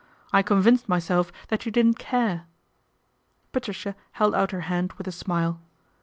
I convinced myself that you didn't care." Patricia held out her hand with a smile.